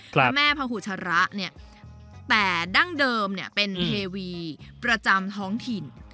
พระแม่พระหุชระแต่ดั้งเดิมเป็นเทวีประจำท้องถิ่น